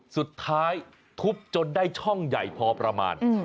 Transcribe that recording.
สุดท้ายทุบจนได้ช่องใหญ่พอประมาณ